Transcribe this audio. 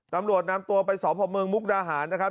ตำรวจนำตัวไปสพเมืองมุกดาหารนะครับ